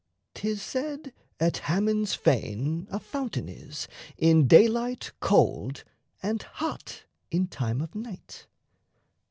'Tis said at Hammon's fane a fountain is, In daylight cold and hot in time of night.